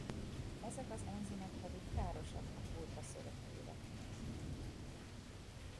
Ezek az enzimek pedig károsak a pulpa szöveteire.